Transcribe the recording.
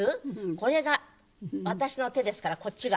これが私の手ですからこっちが。